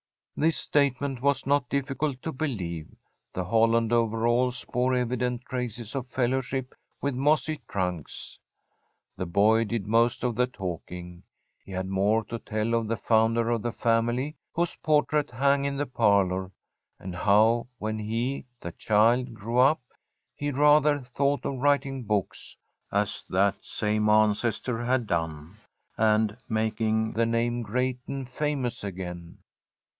This statement was not difficult to believe: the Holland overalls bore evident traces of fellowship with mossy trunks. The boy did most of the talking. He had more to tell of the founder of the family whose portrait hung in the parlor, and of how, when he the child grew up, he rather thought of writing books, as that same ancestor had done, and making the name great and famous again.